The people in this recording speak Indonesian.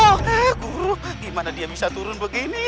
oke guru gimana dia bisa turun begini